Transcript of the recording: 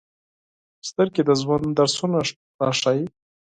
سترګې د ژوند درسونه راښيي